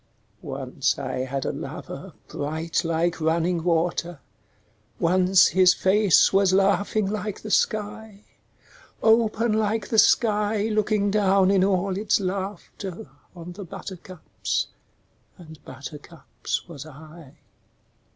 Once I had a lover bright like running water, Once his face was laughing like the sky; Open like the sky looking down in all its laughter On the buttercups and buttercups was I.